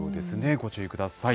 ご注意ください。